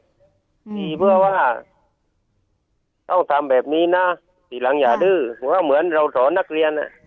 ตีเพื่อว่าต้องทำแบบนี้นะทีหลังอย่าดื้อว่าเหมือนเราสอนนักเรียนอ่ะ